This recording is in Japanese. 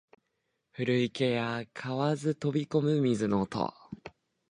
古池や蛙飛び込む水の音